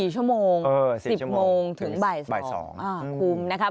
๔ชั่วโมง๑๐โมงถึงบ่าย๒คุมนะครับ